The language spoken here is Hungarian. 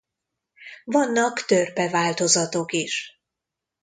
Vannak törpe változatok is.